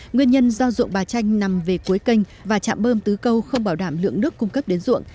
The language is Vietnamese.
nguyên nhân do ruộng bà tranh nằm về cuối kênh và chạm bơm tứ câu không bảo đảm lượng nước cung cấp đến ruộng